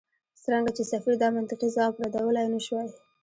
څرنګه چې سفیر دا منطقي ځواب ردولای نه شوای.